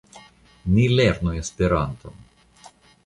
Ni lernu Esperanton.